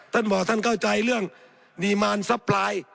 ท่านบอกท่านเข้าใจเรื่องดีมารซัพปลาย